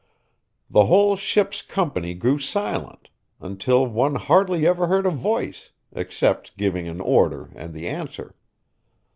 The whole ship's company grew silent, until one hardly ever heard a voice, except giving an order and the answer.